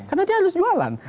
karena dia harus jualan